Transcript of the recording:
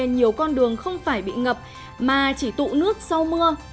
nhiều con đường không phải bị ngập mà chỉ tụ nước sau mưa